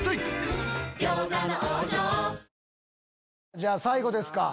じゃあ最後ですか。